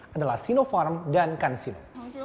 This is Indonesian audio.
adalah sinopharm dan kansino